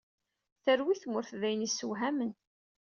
Terwi tmurt dayen isewhamen.